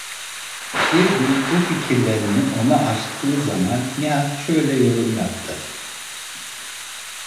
Bir gün bu fikirlerini ona açtığı zaman, Nihat şöyle yorum yaptı: